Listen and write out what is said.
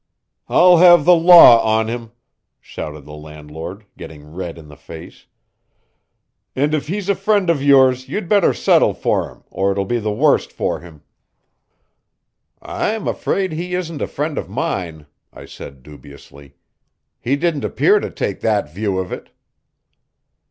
"I'll have the law on him!" shouted the landlord, getting red in the face. "And if he's a friend of yours you'd better settle for him, or it will be the worse for him." "I'm afraid he isn't a friend of mine," I said dubiously. "He didn't appear to take that view of it."